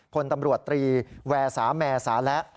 พลตำรวจตรีแวสาแมสาและ